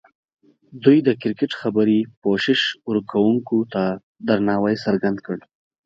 دوی د کرکټ خبري پوښښ ورکوونکو ته درناوی څرګند کړ.